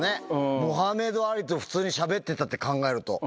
モハメド・アリと普通にしゃべってたって考えると。